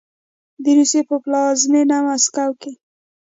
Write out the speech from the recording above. د روسیې په پلازمینه مسکو کې